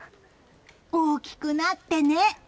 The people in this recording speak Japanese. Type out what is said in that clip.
大きくなってね！